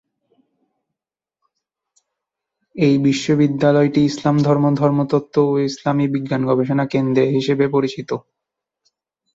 এই বিশ্ববিদ্যালয়টি ইসলাম ধর্ম, ধর্মতত্ত্ব ও ইসলামী বিজ্ঞান গবেষণা কেন্দ্রে হিসেবে পরিচিত।